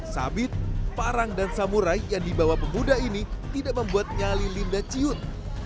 sabit parang dan samurai yang dibawa pemuda ini tidak membuat nyali limbah ciut